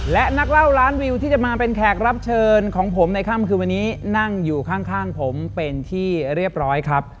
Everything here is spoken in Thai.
และนักเล่าล้านวิวที่จะมาเป็นแขกรับเชิญของผมในค่ำคืนวันนี้นั่งอยู่ข้างผมเป็นที่เรียบร้อยครับ